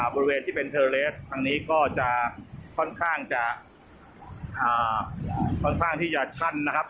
บริเวณที่เป็นเทอร์เลสทางนี้ก็จะค่อนข้างจะค่อนข้างที่จะสั้นนะครับ